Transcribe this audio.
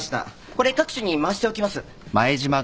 これ各所に回しておきます。